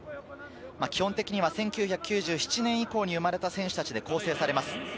基本的には１９９７年以降に生まれた選手たちで構成されます。